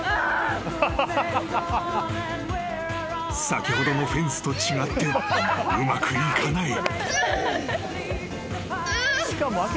［先ほどのフェンスと違ってうまくいかない］